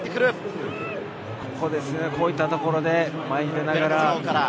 こういったところで前に出ながら。